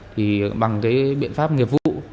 thì bằng cái biện pháp nghiệp vụ